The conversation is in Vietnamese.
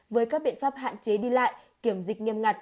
với các biện pháp hạn chế đi lại kiểm dịch nghiêm ngặt